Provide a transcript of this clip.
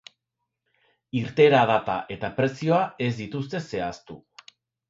Irteera data eta prezioa ez dituzte zehaztu.